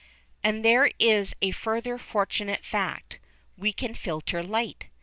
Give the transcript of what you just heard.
And there is a further fortunate fact we can filter light.